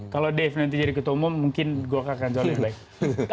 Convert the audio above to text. kalau dave nanti jadi ketua umum mungkin golkar akan jauh lebih baik